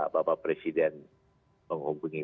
bapak presiden menghubungi